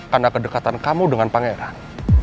karena kedekatan kamu dengan pangeran